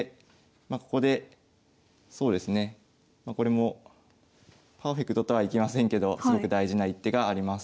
まあここでそうですねこれもパーフェクトとはいきませんけどすごく大事な一手があります。